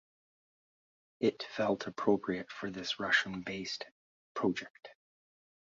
It felt appropriate for this Russian-based project.